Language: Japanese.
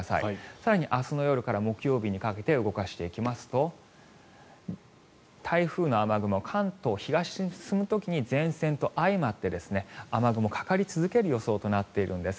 更に明日の夜から木曜日にかけて動かしていきますと台風の雨雲が関東東に進む時に前線と相まって雨雲がかかり続ける予想となっているんです。